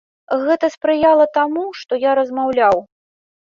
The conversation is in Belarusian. Гэта спрыяла таму, што я размаўляў.